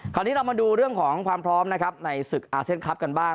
คราวนี้เรามาดูเรื่องของความพร้อมนะครับในศึกอาเซียนคลับกันบ้าง